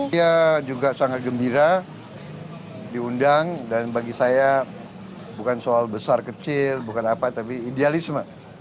dia juga sangat gembira diundang dan bagi saya bukan soal besar kecil bukan apa tapi idealisme